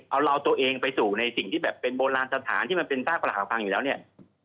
เอาเราตัวเองไปสู่ในสิ่งที่แบบเป็นโบราณสถานที่มันเป็นซากประหาพังอยู่แล้วเนี่ย